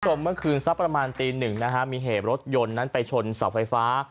คุณผู้ชมเมื่อคืนสักประมาณตีหนึ่งนะฮะมีเหตุรถยนต์นั้นไปชนเสาไฟฟ้า